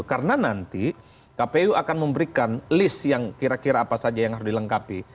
karena nanti kpu akan memberikan list yang kira kira apa saja yang harus dilengkapi